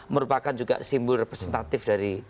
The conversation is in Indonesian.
merupakan juga simbol representatif dari